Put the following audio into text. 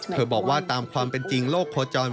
บอกว่าตามความเป็นจริงโลกโคจร